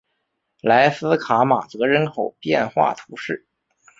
莱斯卡马泽人口变化图示